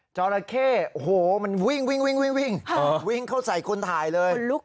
จราเข้โอ้โหมันวิ่งวิ่งเข้าใส่คนถ่ายเลย